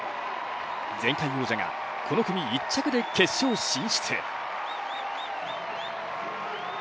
前回王者がこの組１着で決勝進出。